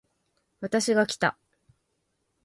私がきた